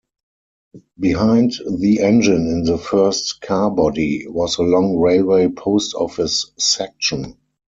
Behind the engine in the first carbody was a long railway post office section.